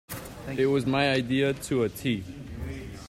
It was my idea to a tee.